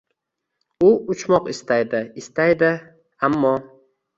U uchmoq istaydi, istaydi, ammo